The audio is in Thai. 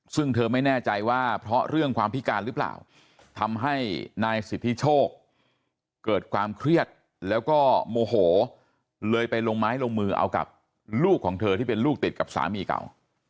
ซึ่งเธอไม่แน่ใจว่าเพราะเรื่องความพิการหรือเปล่าทำให้นายสิทธิโชคเกิดความเครียดแล้วก็โมโหเลยไปลงไม้ลงมือเอากับลูกของเธอที่เป็นลูกติดกับสามีเก่า